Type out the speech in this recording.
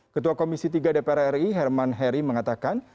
ketua komisi tiga dpr ri herman heri mengatakan